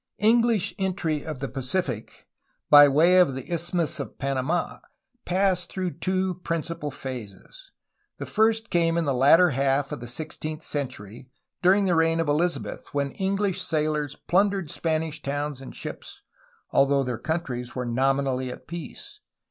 English entry of the Pacific by way of the Isthmus of Panamd passed through two principal phases. The first came in the latter half of the sixteenth century during the reign of Elizabeth, when English sailors plundered Spanish towns and ships, although their countries were nominally at peace.